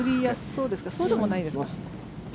そうでもないですか。